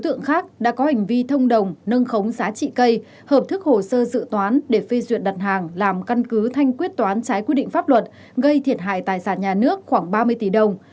các đối tượng khác đã có hành vi thông đồng nâng khống giá trị cây hợp thức hồ sơ dự toán để phê duyệt đặt hàng làm căn cứ thanh quyết toán trái quy định pháp luật gây thiệt hại tài sản nhà nước khoảng ba mươi tỷ đồng